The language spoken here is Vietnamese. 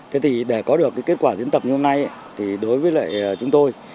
thế thì để có được cái kết quả diễn tập như hôm nay thì đối với lại chúng tôi